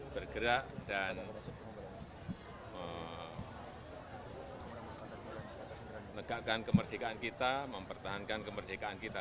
bergerak dan menegakkan kemerdekaan kita mempertahankan kemerdekaan kita